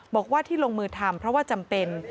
บอกว่าที่ลงมือทำเพราะว่าจำเป็น